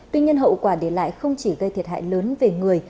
tuy nhiên hậu quả để lại không chỉ gây thiệt hại